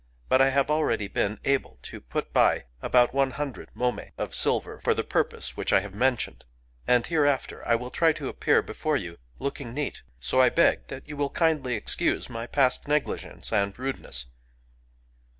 But I have already been able to put by about one hundred mommi of silver for the purpose which I have mentioned; and hereafter I will try to appear before you looking neat. So I beg that you will kindly excuse my past negligence and rudeness."